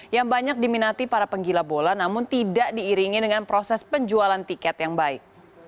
yang banyak diminati para penggila bola namun tidak diiringi dengan proses penjualan tiket yang baik